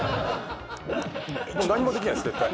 もう何もできないです絶対。